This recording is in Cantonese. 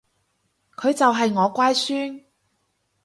佢就係我乖孫